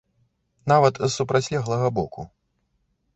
Нават з супрацьлеглага боку.